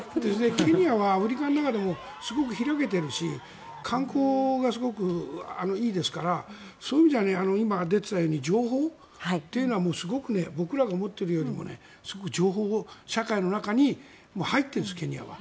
ケニアはアフリカの中でもすごく開けてるし観光がすごくいいですからそういう意味では今、出ていたように情報というのはすごく、僕らが思っている以上に情報社会の中に入ってるんですケニアは。